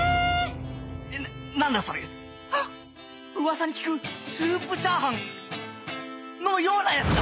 噂に聞くスープチャーハン！のようなやつだ！